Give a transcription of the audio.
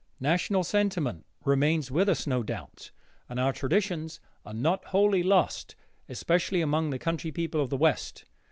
National sentiment remains with us, no doubt, and our traditions are not wholly lost, especially among the country people of the West.